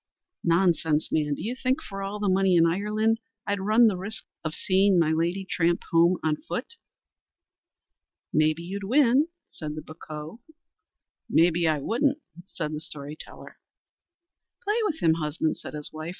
"Nonsense, man! Do you think for all the money in Ireland I'd run the risk of seeing my lady tramp home on foot?" "Maybe you'd win," said the bocough. "Maybe I wouldn't," said the story teller. "Play with him, husband," said his wife.